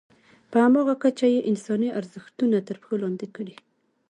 په همغه کچه یې انساني ارزښتونه تر پښو لاندې کړل.